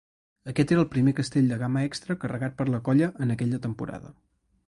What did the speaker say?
Aquest era el primer castell de gamma extra carregat per la colla en aquella temporada.